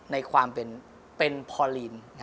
ในความเป็นพอลีน